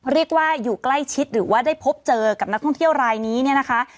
เรียกว่าอยู่ใกล้ชิดหรือว่าได้พบเจอกับนักท่องเที่ยวรายนี้เนี่ยนะคะ